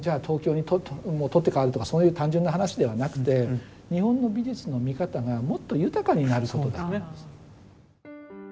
東京にもう取って代わるとかそういう単純な話ではなくて日本の美術の見方がもっと豊かになることなんです。